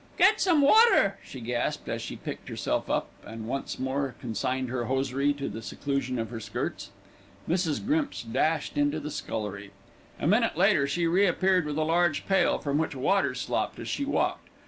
"Get some water," she gasped, as she picked herself up and once more consigned her hosiery to the seclusion of her skirts. Mrs. Grimps dashed into the scullery. A minute later she re appeared with a large pail, from which water slopped as she walked.